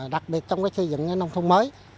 đặc biệt trong cái xây dựng nông thôn mới